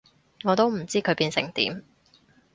我都唔知佢變成點